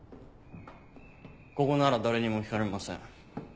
ここなら誰にも聞かれません。